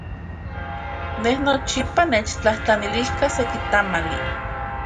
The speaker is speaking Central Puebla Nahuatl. Ye nochipa nechtlajtlanilka seki tamali.